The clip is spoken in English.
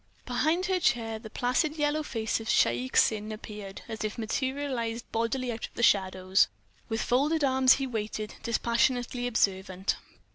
Behind her chair the placid yellow face of Shaik Tsin appeared, as if materialized bodily out of the shadows. With folded arms he waited, dispassionately observant.